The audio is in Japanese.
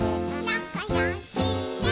「なかよしね」